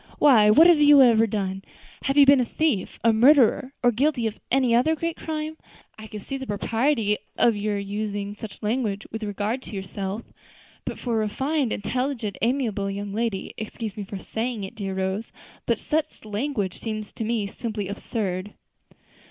Why, what have you ever done? Had you been a thief, a murderer, or guilty of any other great crime, I could see the propriety of your using such language with regard to yourself; but for a refined, intelligent, amiable young lady, excuse me for saying it, dear Rose, but such language seems to me simply absurd."